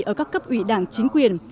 ở các cấp ủy đảng chính quyền